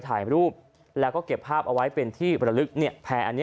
ถ่ายรูปแล้วก็เก็บภาพเอาไว้เป็นที่ประลึกเนี่ยแพร่อันนี้